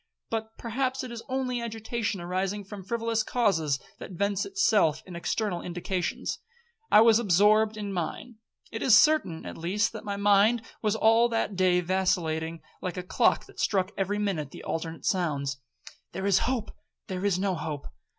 But perhaps it is only agitation arising from frivolous causes, that vents itself in external indications,—I was absorbed in mine. It is certain, at least, that my mind was all that day vacillating like a clock that struck every minute the alternate sounds, 'There is hope,—there is no hope.'